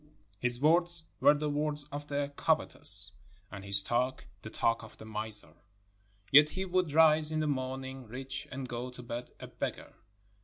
His words were the words of the covetous, and his talk the talk of the miser, yet he would rise in the morning rich and go to bed a beggar.